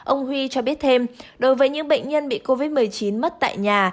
ông huy cho biết thêm đối với những bệnh nhân bị covid một mươi chín mất tại nhà